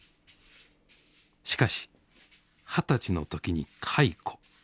しかし二十歳の時に解雇。